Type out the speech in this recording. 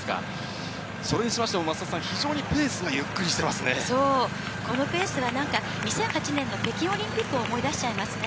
それにしましても、増田さん、非常にペースがゆっくりしてますそう、このペースはなんか、２００８年の北京オリンピックを思い出しちゃいますね。